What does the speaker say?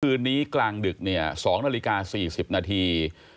คืนนี้กลางดึกเนี่ย๒นาฬิกา๔๐นาที